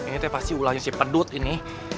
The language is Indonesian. ini pasti ulangnya si pedut ini